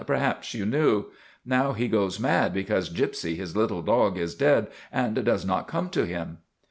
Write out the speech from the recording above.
' Perhaps you knew. Now he goes mad because Gypsy his little dog is dead and does not come to him."